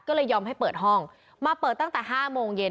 ก็เลยยอมให้เปิดห้องมาเปิดตั้งแต่๕โมงเย็น